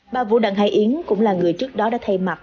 bà vũ đặng hải yến cũng là người trước đó đã thay mặt